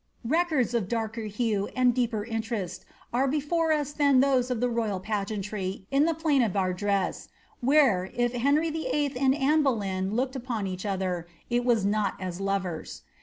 Rei darker hue and deeper interest are before us than those of tl pageantry in the plain of Ardres, where, if Henry Vlll. and Anne looked upon each other, it was not as lovers.